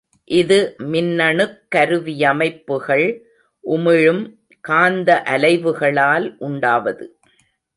இது மின்னணுக் கருவியமைப்புகள் உமிழும் காந்த அலைவுகளால் உண்டாவது.